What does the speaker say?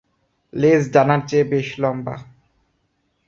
লেজ ডানার চেয়ে বেশ লম্বা।